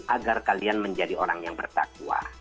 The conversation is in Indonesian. agar kalian menjadi orang yang bertakwa